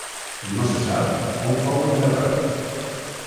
No se sap on fou enterrat.